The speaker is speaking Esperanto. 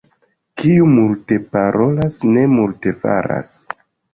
Kiu multe parolas, ne multe faras.